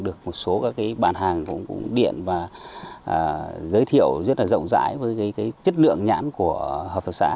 được một số bàn hàng cũng điện và giới thiệu rất rộng rãi với chất lượng nhãn của hợp tác xã